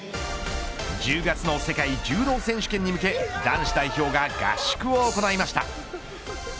１０月の世界柔道選手権に向けて男子代表が合宿を行いました。